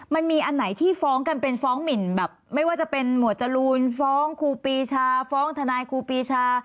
มันมีอันไหนที่ฟ้องกันเป็นฟ้องหมินแบบไม่ว่าจะเป็นหมวดจรูนฟ้องครูปีชาฟ้องทนายครูปีชา